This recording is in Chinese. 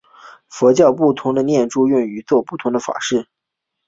佛教不同的念珠用于作不同法事。